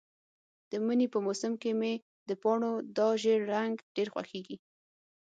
د مني په موسم کې مې د پاڼو دا ژېړ رنګ ډېر خوښیږي.